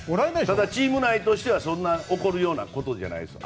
ただチーム内としては、そんなに怒るようなことじゃないです。